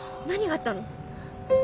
何があったの？